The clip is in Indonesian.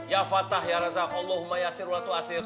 ya fatah ya razakallah humayasir wa'atu'asir